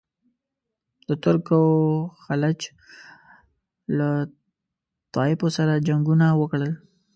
د ترک او خلج له طایفو سره جنګونه وکړل.